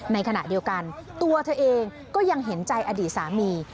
ในขณะเดียวกันตัวเธอเองก็ยังเห็นใจอดีตสามี